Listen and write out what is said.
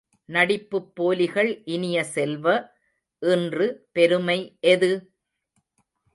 நடிப்புப் போலிகள் இனிய செல்வ, இன்று பெருமை எது?